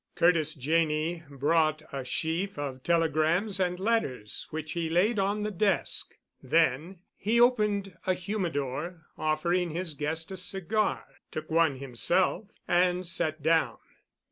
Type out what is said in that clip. Curtis Janney brought a sheaf of telegrams and letters which he laid on the desk. Then he opened a humidor, offered his guest a cigar, took one himself, and sat down.